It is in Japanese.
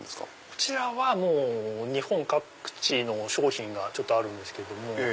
こちらは日本各地の商品があるんですけど。